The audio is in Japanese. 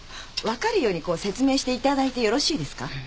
分かるようにこう説明していただいてよろしいですか？